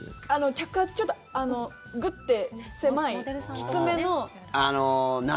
着圧ちょっとグッて狭い、きつめの。